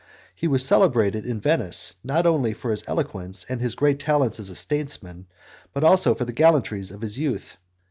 He was celebrated in Venice not only for his eloquence and his great talents as a statesman, but also for the gallantries of his youth.